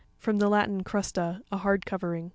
—From the Latin, crus ta,a hard covering.